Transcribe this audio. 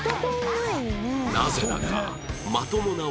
なぜだか